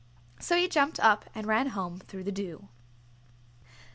So he jumped up and ran home through the dew.